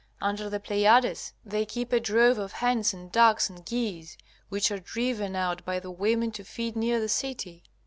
Under the Pleiades they keep a drove of hens and ducks and geese, which are driven out by the women to feed near the city.